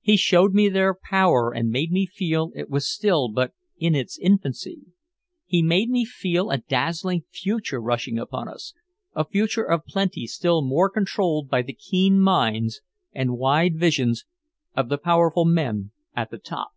He showed me their power and made me feel it was still but in its infancy. He made me feel a dazzling future rushing upon us, a future of plenty still more controlled by the keen minds and wide visions of the powerful men at the top.